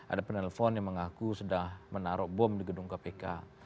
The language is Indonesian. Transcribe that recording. ada penelpon yang mengaku sedang menaruh bom di gedung kpk